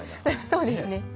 そうですね。